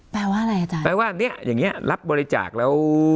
แปลว่าอะไรอาจารย์แปลว่าเนี้ยอย่างเงี้รับบริจาคแล้ว